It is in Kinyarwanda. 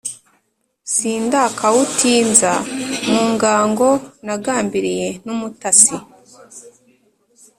sindakawutinza mu ngango nagambiliye n’umutasi,